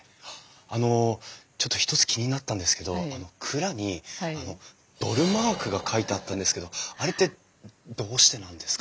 あのちょっと一つ気になったんですけど蔵にドルマークが書いてあったんですけどあれってどうしてなんですか？